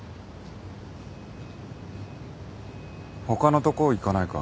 他のとこ行かないか？